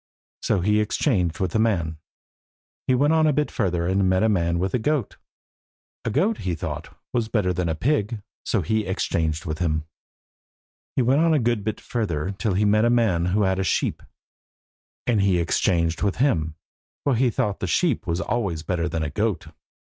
So he exchanged with the man. He went on a bit further, and met a man with a goat. A goat, he thought, was better than a pig. So he exchanged with him. He went on a good bit further till he met a man who had a sheep, and he exchanged with him, for he thought a sheep was always better than a goat.